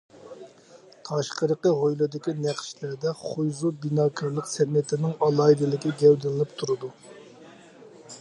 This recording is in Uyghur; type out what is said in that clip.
تاشقىرىقى ھويلىدىكى نەقىشلەردە خۇيزۇ بىناكارلىق سەنئىتىنىڭ ئالاھىدىلىكى گەۋدىلىنىپ تۇرىدۇ.